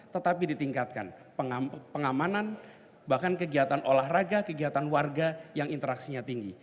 tetapi ditingkatkan pengamanan bahkan kegiatan olahraga kegiatan warga yang interaksinya tinggi